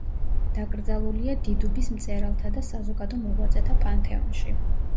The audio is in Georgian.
დაკრძალულია დიდუბის მწერალთა და საზოგადო მოღვაწეთა პანთეონში.